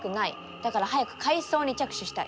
だから早く改装に着手したい。